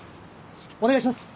お願いします。